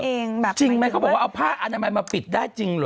จริงแบบจริงไหมเขาบอกว่าเอาผ้าอนามัยมาปิดได้จริงเหรอ